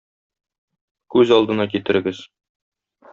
Күз алдына китерегез.